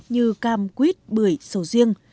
như cam quyết bưởi sầu riêng